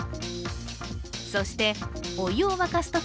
そしてお湯を沸かすとき